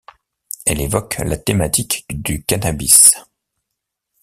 Elle évoque la thématique du cannabis.